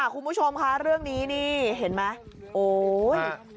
คุณผู้ชมคะเรื่องนี้นี่เห็นไหมโอ๊ย